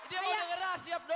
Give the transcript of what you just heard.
dia mau dengerin asyap doang